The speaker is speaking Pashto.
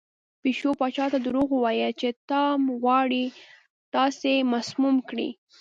پیشو پاچا ته دروغ وویل چې ټام غواړي تاسې مسموم کړي.